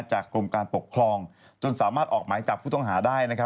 กรมการปกครองจนสามารถออกหมายจับผู้ต้องหาได้นะครับ